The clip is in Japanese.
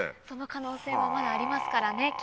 その可能性はまだありますからね